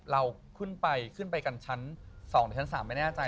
เราขึ้นไปขึ้นไปกันชั้น๒หรือชั้น๓ไม่แน่ใจ